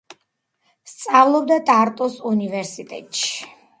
სწავლობდა ტარტუს უნივერსიტეტში.